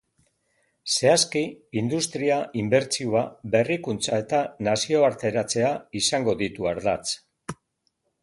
Zehazki, industria, inbertsioa, berrikuntza eta nazioarteratzea izango ditu ardatz.